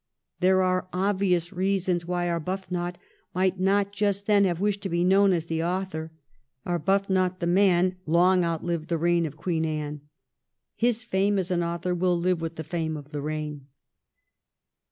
There are obvious reasons why Arbuthnot might not just then have wished to be known as the author. Arbuthnot the man long outlived the reign of Queen Anne. His fame as an author will live with the fame of the reign.